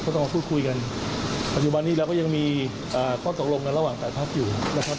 ต้องมาพูดคุยกันปัจจุบันนี้เราก็ยังมีข้อตกลงกันระหว่าง๘พักอยู่นะครับ